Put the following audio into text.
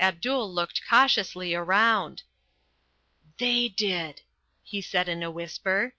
Abdul looked cautiously around. "They did," he said in a whisper.